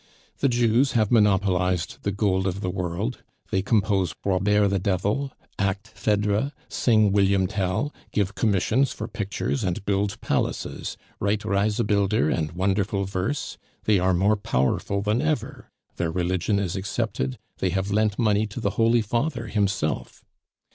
The Jews have monopolized the gold of the world; they compose Robert the Devil, act Phedre, sing William Tell, give commissions for pictures and build palaces, write Reisebilder and wonderful verse; they are more powerful than ever, their religion is accepted, they have lent money to the Holy Father himself!